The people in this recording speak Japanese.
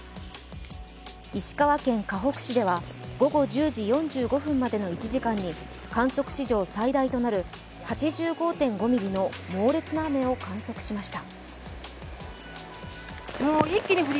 石川県かほく市では午後１０時４５分までの１時間に観測史上最大となる８５．５ミリの猛烈な雨を観測しました。